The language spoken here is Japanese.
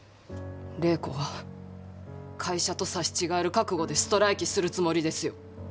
礼子は会社と刺し違える覚悟でストライキするつもりですよ。